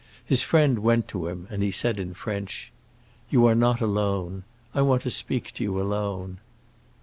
His friend went to him, and he said in French, "You are not alone. I want to speak to you alone."